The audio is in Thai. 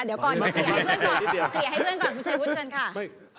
เดี๋ยวก่อนเดี๋ยวก่อนเกลี่ยให้เพื่อนก่อน